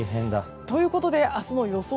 ということで明日の予想